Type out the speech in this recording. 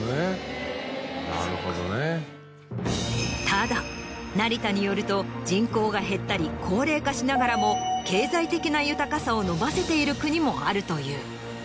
ただ成田によると人口が減ったり高齢化しながらも経済的な豊かさを伸ばせている国もあるという。